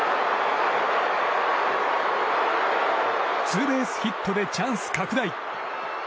ツーベースヒットでチャンス拡大。